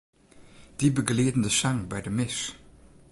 Dy begelieden de sang by de mis.